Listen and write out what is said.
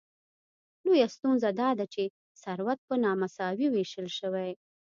لویه ستونزه داده چې ثروت په نامساوي ویشل شوی.